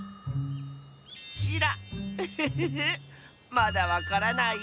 まだわからない？